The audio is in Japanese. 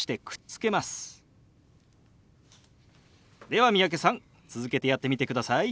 では三宅さん続けてやってみてください。